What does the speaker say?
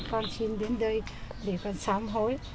con xin đến đây để con sám hối